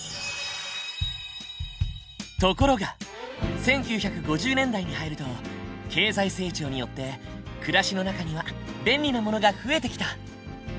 ところが１９５０年代に入ると経済成長によって暮らしの中には便利なものが増えてきた。